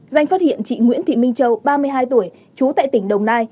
danh phát hiện chị nguyễn thị minh châu ba mươi hai tuổi trú tại tỉnh đồng nai